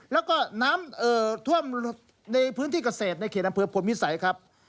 แล้วก็น้ำท่วมในพื้นที่เกษตรในเขตอำเภอพลวิสัยครับ